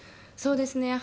そうですね。